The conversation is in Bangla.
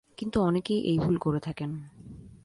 কিন্তু অনেকেই এই ভুল করে থাকেন।